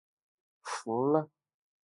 服了